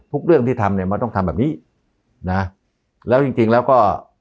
เรื่องที่ทำเนี่ยมันต้องทำแบบนี้นะแล้วจริงจริงแล้วก็